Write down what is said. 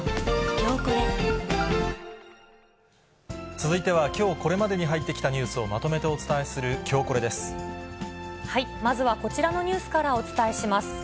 続いては、きょうこれまでに入ってきたニュースをまとめてお伝えする、まずはこちらのニュースからお伝えします。